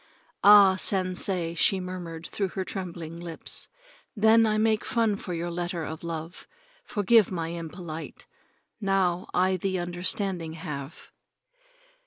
"Ah, Sensei," she murmured through her trembling lips. "Then I make fun for your letter of love. Forgive my impolite. Now I the understanding have."